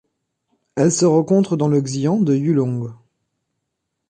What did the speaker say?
Elle se rencontre dans le xian de Yulong.